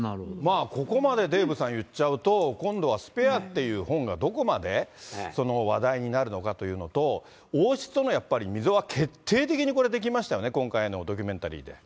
ここまでデーブさん、言っちゃうと、今度はスペアっていう本が、どこまで話題になるのかというのと、王室とのやっぱり溝は決定的にこれ、出来ましたよね、今回のドキュメンタリーで。